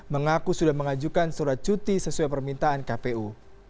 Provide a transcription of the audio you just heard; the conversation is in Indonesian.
mengaku sudah mengajukan surat cuti sesuai permintaan kpu